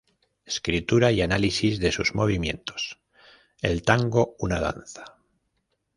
Escritura y análisis de sus movimientos" "El tango una danza.